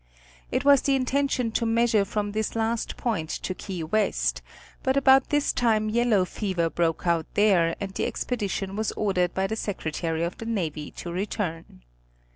It was the intention to measure from this last. point to Key West, but about this time yellow fever broke out there and the expedition was ordered by the Secretary of the Navy to return.